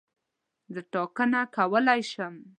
زه ټاکنه کولای شم.